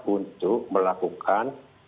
untuk melakukan pembenahan